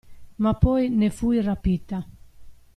Ma poi ne fui rapita.